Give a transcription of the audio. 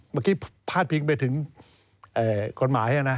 เมื่อกี้พาดพิงไปถึงกฎหมายนะ